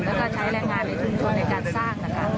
แล้วก็ใช้แรงงานในชุมชนในการสร้างนะคะ